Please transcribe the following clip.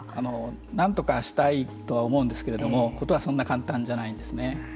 何とかしたいとは思うんですけれども事はそんなに簡単じゃないんですね。